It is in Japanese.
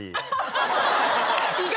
意外！